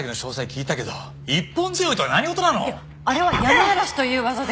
いやあれは山嵐という技で。